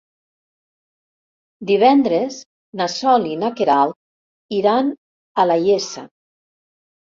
Divendres na Sol i na Queralt iran a la Iessa.